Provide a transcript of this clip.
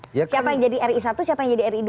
siapa yang jadi ri satu siapa yang jadi ri dua